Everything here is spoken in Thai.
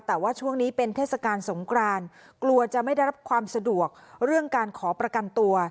แต่ว่าช่วงนี้เป็นเทศกาลสงครานกลัวจะไม่ได้รับความสะดวกเรื่องการขอประกันตัว